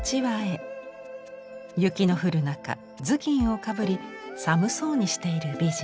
雪の降る中頭巾をかぶり寒そうにしている美人。